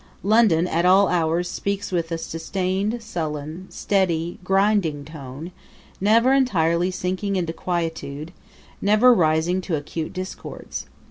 London at all hours speaks with a sustained, sullen, steady, grinding tone, never entirely sinking into quietude, never rising to acute discords.